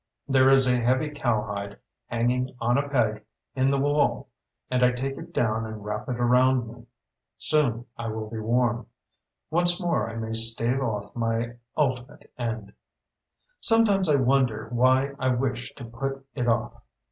There is a heavy cow hide hanging on a peg in the wall and I take it down and wrap it around me. Soon I will be warm. Once more I may stave off my ultimate end. Sometimes I wonder why I wish to put it off.